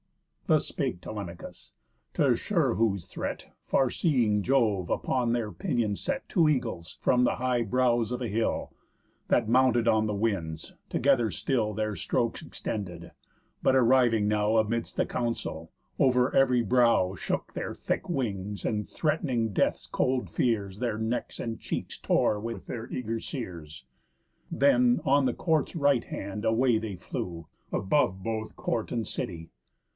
Thus spake Telemachus; t' assure whose threat, Far seeing Jove upon their pinions set Two eagles from the high brows of a hill, That, mounted on the Winds, together still Their strokes extended; but arriving now Amidst the Council, over ev'ry brow Shook their thick wings and, threat'ning death's cold fears, Their necks and cheeks tore with their eager seres; Then, on the court's right hand away they flew, Above both court and city.